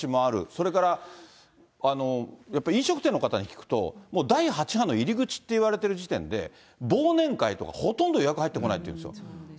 それからやっぱり飲食店の方に聞くと、もう第８波の入り口っていわれてる時点で、忘年会とかほとんど予約入ってこないっていう。